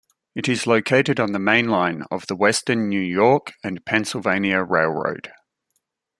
It is located on the mainline of the Western New York and Pennsylvania Railroad.